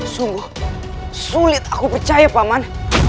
sungguh sulit aku percaya paman